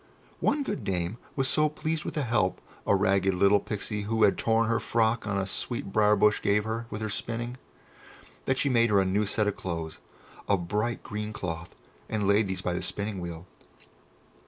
One good dame was so pleased with the help a ragged little Pixie who had torn her frock on a sweet briar bush gave her with her spinning, that she made her a new set of clothes of bright green cloth, and laid these by the spinning wheel.